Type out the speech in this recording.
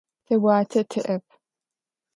Тэ уатэ тиӏэп.